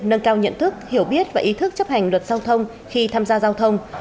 nâng cao nhận thức hiểu biết và ý thức chấp hành luật giao thông khi tham gia giao thông